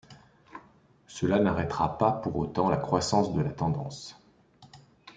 Cela n'arrêtera pas pour autant la croissance de la tendance.